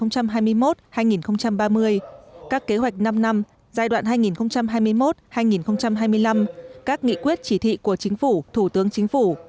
các kế hoạch năm năm giai đoạn hai nghìn hai mươi một hai nghìn hai mươi năm các nghị quyết chỉ thị của chính phủ thủ tướng chính phủ